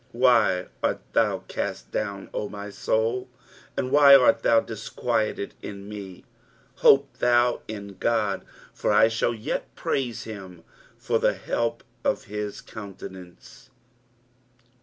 5 Why art thou cast down, O my soul ? and why art thou disquieted in me? hope thou in God : for I shall yet praise him for the help of his countenance.